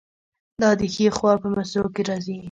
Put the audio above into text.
دا د ښي خوا په مصرو کې راځي.